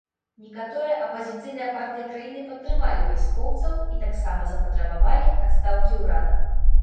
Некаторыя апазіцыйныя партыі краіны падтрымалі вайскоўцаў і таксама запатрабавалі адстаўкі ўрада.